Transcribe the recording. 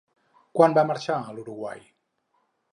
Quan va marxar a l'Uruguai?